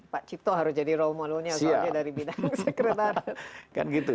pak cipto harus jadi role modelnya dari bidang sekretariat